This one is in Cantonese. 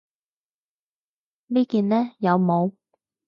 呢件呢？有帽